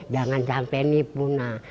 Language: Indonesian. jangan sampai ini punah